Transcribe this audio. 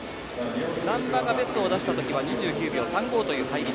難波がベストを出した時は２９秒３６というタイム。